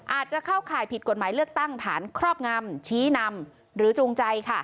อาจจะเข้าข่ายผิดกฎหมายเลือกตั้งฐานครอบงำชี้นำหรือจูงใจ